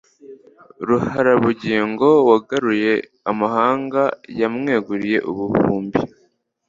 Ruharabugingo wagaruye amahanga yamweguriye ibihumbi